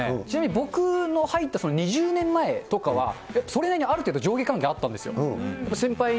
ちなみに僕の入った２０年前とかは、それなりにある程度上下関係あったんですよ。